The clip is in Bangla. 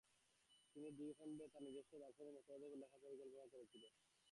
তিনি দুই খণ্ডে তার নিজস্ব দার্শনিক মতবাদের উপর লেখার পরিকল্পনাও করেছিলেন।